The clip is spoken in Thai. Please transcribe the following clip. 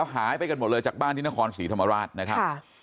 แล้วหายไปกันหมดเลยจากบ้านที่น้ำคลสถวรรษนะครับ